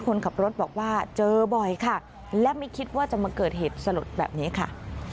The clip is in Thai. คนขับรถบอกว่าเจอบ่อยค่ะและไม่คิดว่าจะมาเกิดเหตุสลดแบบนี้ค่ะ